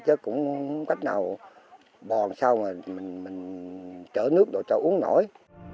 chứ cũng cách nào bò xong rồi mình trở nước rồi cho uống nổi